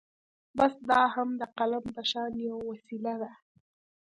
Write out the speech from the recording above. بس دا هم د قلم په شان يوه وسيله ده.